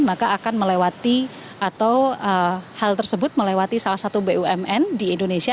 maka akan melewati atau hal tersebut melewati salah satu bumn di indonesia